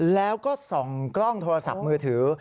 แล้วก็ส่องกล้องโทรศัพท์มือถือ